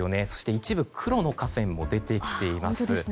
一部黒の河川も出てきています。